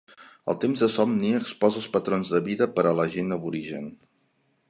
El temps de somni exposa els patrons de vida per a la gent aborigen.